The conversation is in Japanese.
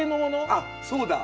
あっそうだ！